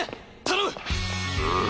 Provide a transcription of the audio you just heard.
頼む！